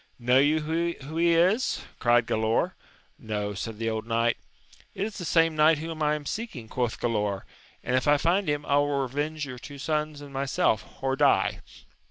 Know you who he is? cried Gralaor, No, said the old knight. It is the same knight whom I am seeking, quoth Gkdaor, and, if I find him, I will revenge your two sons tod myself, or die.